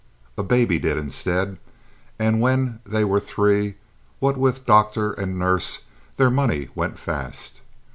A baby did instead, and when they were three, what with doctor and nurse, their money went fast.